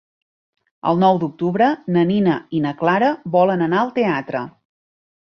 El nou d'octubre na Nina i na Clara volen anar al teatre.